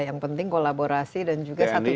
yang penting kolaborasi dan juga satu